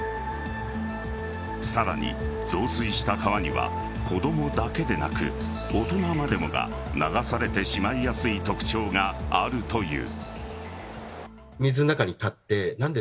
さらに、増水した川には子供だけでなく大人までもが流されてしまいやすい特徴があるという。